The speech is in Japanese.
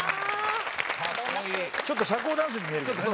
ちょっと社交ダンスに見える。